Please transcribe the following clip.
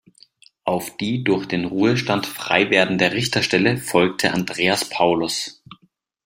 Auf die durch den Ruhestand freiwerdende Richterstelle folgte Andreas Paulus.